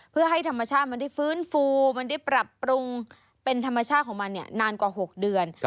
เพื่อให้ธรรมชาติมันได้ฟื้นฟูมันได้ปรับปรุงเป็นธรรมชาติของมันเนี่ยนานกว่า๖เดือน